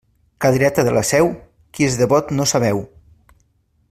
Cadireta de la Seu, qui és devot no sabeu.